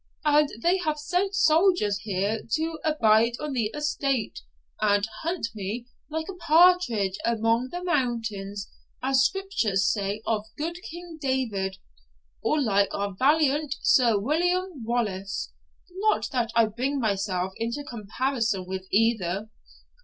And they have sent soldiers here to abide on the estate, and hunt me like a partridge upon the mountains, as Scripture says of good King David, or like our valiant Sir William Wallace not that I bring myself into comparison with either.